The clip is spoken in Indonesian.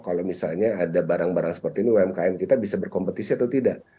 kalau misalnya ada barang barang seperti ini umkm kita bisa berkompetisi atau tidak